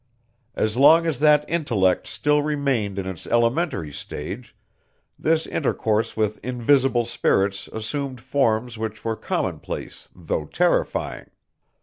As long as that intellect still remained in its elementary stage, this intercourse with invisible spirits assumed forms which were commonplace though terrifying.